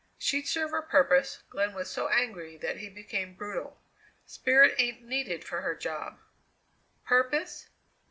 "She'd serve her purpose." Glenn was so angry that he became brutal. "Spirit ain't needed for her job." "Purpose?